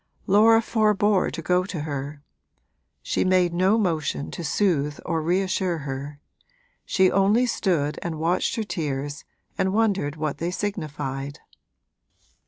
Laura forbore to go to her; she made no motion to soothe or reassure her, she only stood and watched her tears and wondered what they signified.